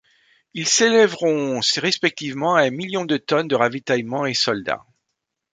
Ils s'élèveront respectivement à un million de tonnes de ravitaillement et soldats.